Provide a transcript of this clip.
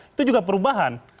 itu juga perubahan